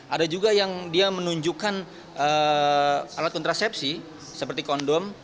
ada juga yang dia menunjukkan alat kontrasepsi seperti kondom